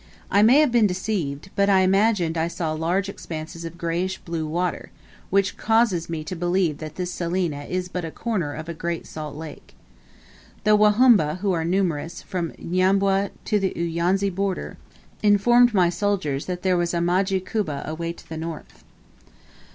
I may have been deceived, but I imagined I saw large expanses of greyish blue water, which causes me to believe that this salina is but a corner of a great salt lake. The Wahumba, who are numerous, from Nyambwa to the Uyanzi border, informed my soldiers that there was a "Maji Kuba" away to the north.